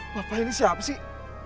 bapak ini siapa sih